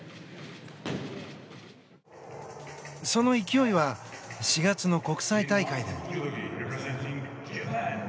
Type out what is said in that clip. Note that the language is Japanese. その勢いは４月の国際大会でも。